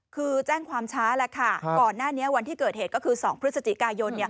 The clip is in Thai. คือแจ้งความช้าแล้วค่ะก่อนหน้านี้วันที่เกิดเหตุก็คือ๒พฤศจิกายน